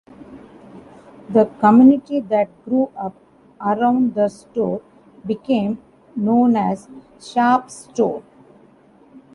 The community that grew up around the store became known as Sharpe's Store.